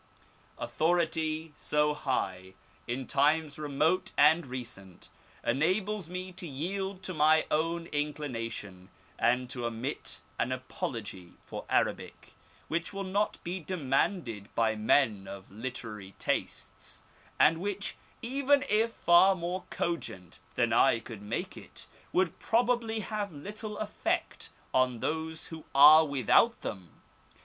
Authority so high, in times remote and recent, enables me to yield to my own inclination, and to omit an apology for Arabic, which will not be demanded by men of literary tastes, and which, even if far more cogent than I could make it, would probably have little effect on those who are without them.